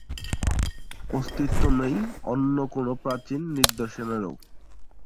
অস্তিত্ব নেই অন্য কোনা প্রাচীন নিদর্শনেরও।